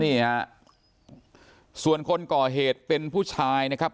นี่ฮะส่วนคนก่อเหตุเป็นผู้ชายนะครับ